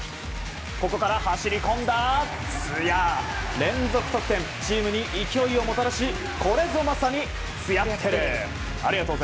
ここから走り込んだ津屋連続得点でチームに勢いをもたらしこれぞまさに津屋ってる。